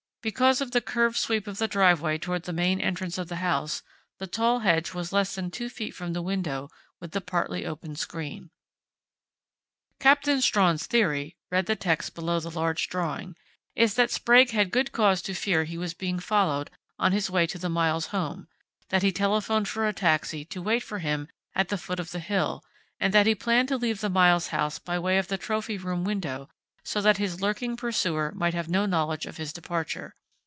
Because of the curved sweep of the driveway toward the main entrance of the house, the tall hedge was less than two feet from the window with the partly opened screen. "Captain Strawn's theory," read the text below the large drawing, "is that Sprague had good cause to fear he was being followed on his way to the Miles home; that he telephoned for a taxi to wait for him at the foot of the hill, and that he planned to leave the Miles house by way of the trophy room window, so that his lurking pursuer might have no knowledge of his departure.